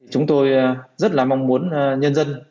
chúng tôi rất là mong muốn nhân dân